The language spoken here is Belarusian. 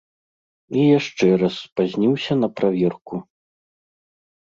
І яшчэ раз спазніўся на праверку.